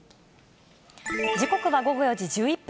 時刻は午後４時１１分。